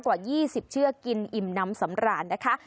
กว่า๒๐เชือกกินอิ่มน้ำสำราญนะคะ